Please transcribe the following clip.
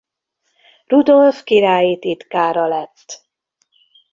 Rudolf királyi titkára lett.